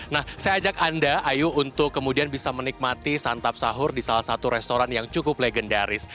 nah saya ajak anda ayu untuk kemudian bisa menikmati santap sahur di salah satu restoran yang cukup legendaris